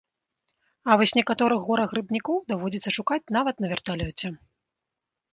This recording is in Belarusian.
А вось некаторых гора-грыбнікоў даводзіцца шукаць нават на верталёце.